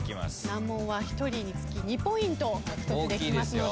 難問は１人につき２ポイント獲得できますので。